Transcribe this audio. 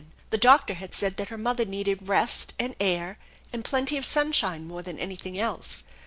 The doctor had said that her mother needed rest and air and plenty of sunshine more than anything else.